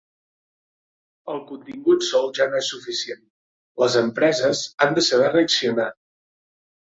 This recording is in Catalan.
El contingut sol ja no és suficient, les empreses han de saber reaccionar.